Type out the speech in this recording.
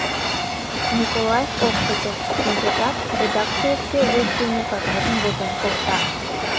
Николаев ок чыте, шинчешат, редакцийышке вуйшийме кагазым возен колта.